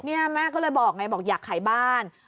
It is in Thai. นี่แม่ก็เลยบอกอยากขายบ้าน